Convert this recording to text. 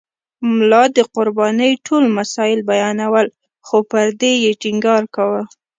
ملا د قربانۍ ټول مسایل بیانول خو پر دې یې ټینګار کاوه.